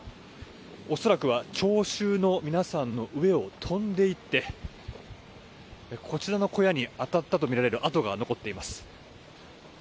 恐らくは聴衆の皆さんの上を飛んで行ってこちらの小屋に当たったとみられる跡が残っています。